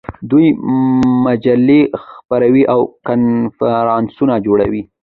دوی مجلې خپروي او کنفرانسونه جوړوي.